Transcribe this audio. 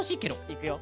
いくよ！